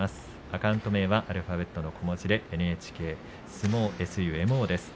アカウント名はアルファベットの小文字でｎｈｋｓｕｍｏです。